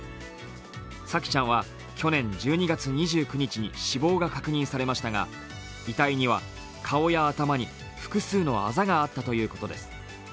沙季ちゃんは去年１２月２９日に死亡が確認されましたが遺体には顔や頭に複数のあざがあったということです。